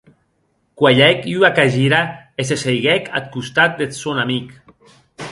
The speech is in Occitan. Cuelhec ua cagira e se seiguec ath costat deth sòn amic.